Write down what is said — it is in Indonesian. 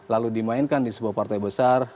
lalu dimainkan di sebuah partai besar